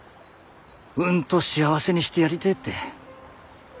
うんと幸せにしてやりてえって。